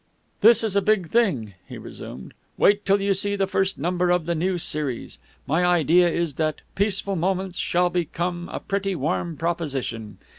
"This is a big thing," he resumed. "Wait till you see the first number of the new series. My idea is that Peaceful Moments shall become a pretty warm proposition.